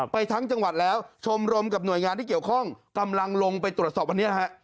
ทั้งจังหวัดแล้วชมรมกับหน่วยงานที่เกี่ยวข้องกำลังลงไปตรวจสอบวันนี้ฮะ